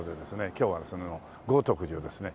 今日はその豪徳寺をですね